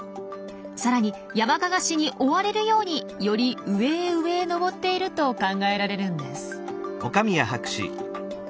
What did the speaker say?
さらにヤマカガシに追われるようにより上へ上へ登っていると考えられるんです。